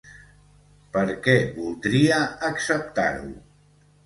Per que voldría acceptar-ho?